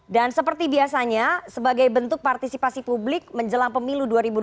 dan seperti biasanya sebagai bentuk partisipasi publik menjelang pemilu dua ribu dua puluh empat